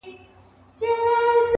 زه پر خپلي ناشکرۍ باندي اوس ژاړم.!